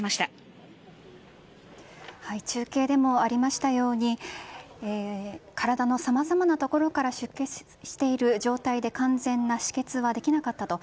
中継でもありましたように体のさまざまな所から出血している状態で完全な止血はできなかったと。